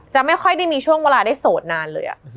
ไม่ค่อยได้มีช่วงเวลาได้โสดนานเลย